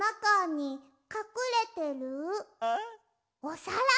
おさら？